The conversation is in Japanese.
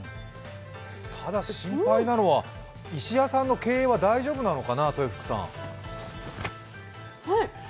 ただ心配なのは、石屋さんの経営は大丈夫なのかな？